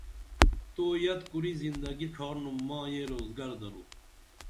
تو یت کُری زندگی ڇھارنُم ماں یہ روزگر درو